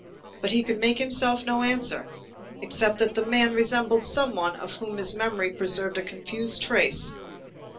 But he could make himself no answer, except that the man resembled some one of whom his memory preserved a confused trace.